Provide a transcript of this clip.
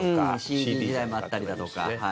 ＣＤ時代もあったりだとか。